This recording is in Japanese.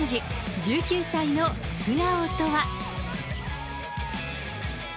１９歳の素顔とは。